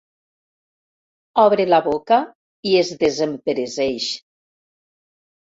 Obre la boca i es desempereseix.